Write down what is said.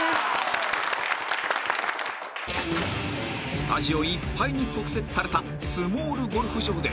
［スタジオいっぱいに特設されたスモールゴルフ場で］